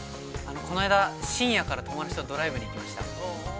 ◆この間、深夜から友達とドライブに行きました。